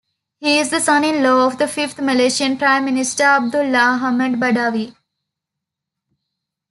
He is the son-in-law of the fifth Malaysian Prime Minister Abdullah Ahmad Badawi.